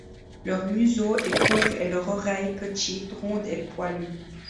Leur museau est court et leur oreilles petites, rondes et poilues.